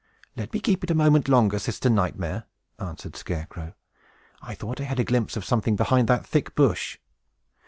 "Let me keep it a moment longer, Sister Nightmare," answered Scarecrow. "I thought I had a glimpse of something behind that thick bush."